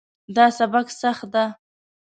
دا سبق سخت ده